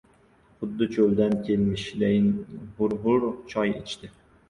Xuddi cho‘ldan kelmishdayin hur-hur choy ichdi.